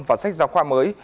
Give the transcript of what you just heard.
và sách giáo khoa mới